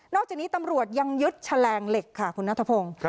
จากนี้ตำรวจยังยึดแฉลงเหล็กค่ะคุณนัทพงศ์